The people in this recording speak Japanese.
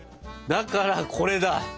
だからこれだ！